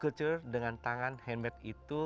culture dengan tangan handmade itu